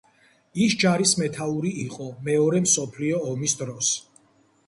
ის ჯარის მეთაური იყო მეორე მსოფლიო ომის დროს.